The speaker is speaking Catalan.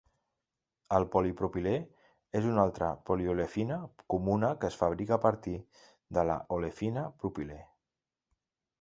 El polipropilè és una altra poliolefina comuna que es fabrica a partir de la olefina propilè.